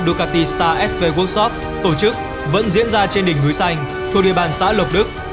ducati star sp workshop tổ chức vẫn diễn ra trên đỉnh núi xanh thuộc địa bàn xã lộc đức